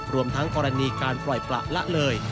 รวมทั้งกรณีการปล่อยประละเลย